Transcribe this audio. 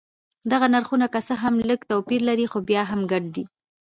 دغه نرخونه که څه هم لږ توپیر لري خو بیا هم ګډ دي.